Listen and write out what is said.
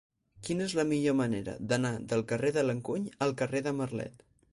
Quina és la millor manera d'anar del carrer de l'Encuny al carrer de Marlet?